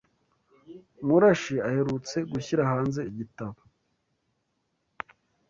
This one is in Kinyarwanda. Murashi aherutse gushyira hanze igitabo